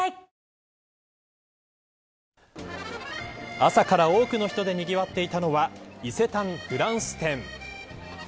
朝から多くの人でにぎわっていたのは伊勢丹フランス展。